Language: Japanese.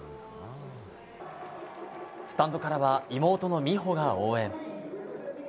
スタンドからは妹の美帆が応援。